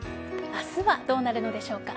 明日はどうなるのでしょうか。